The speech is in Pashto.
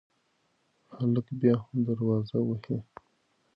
هلک بیا هم دروازه وهي.